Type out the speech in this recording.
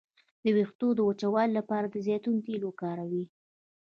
د ویښتو د وچوالي لپاره د زیتون تېل وکاروئ